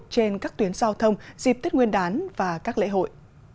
trên các tuyến giao thông dịp tết nguyên đán và các lễ hội